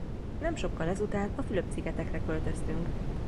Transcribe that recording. Nem sokkal ezután a Fülöp-szigetekre költöztünk.